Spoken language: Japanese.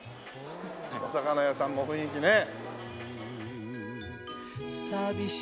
お魚屋さんも雰囲気ねえ。